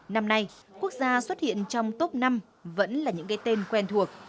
năm nay quốc gia xuất hiện trong top năm vẫn là những cái tên quen thuộc